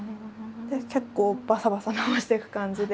結構バサバサ直していく感じで。